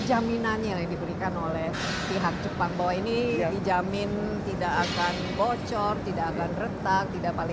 jaminannya yang diberikan oleh pihak jepang bahwa ini dijamin tidak akan bocor tidak akan retak tidak